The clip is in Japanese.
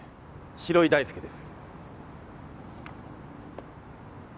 城井大介です。